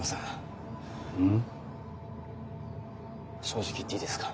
正直言っていいですか？